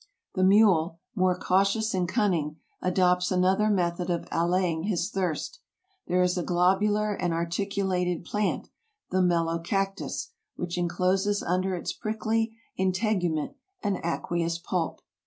The mule, more cautious and cunning, adopts another method of allaying his thirst. There is a globular and artic ulated plant, the Melocactus, which encloses under its prickly integument an aqueous pulp.